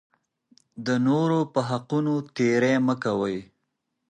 د نورو په حقونو تېری مه کوئ.